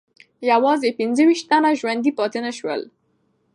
یوازې پنځه ویشت تنه ژوندي پاتې نه سول.